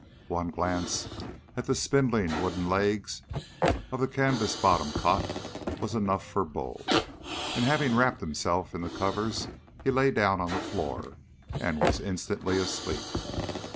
One glance at the spindling wooden legs of the canvas bottomed cot was enough for Bull, and having wrapped himself in the covers he lay down on the floor and was instantly asleep.